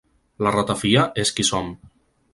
La ratafia és qui som.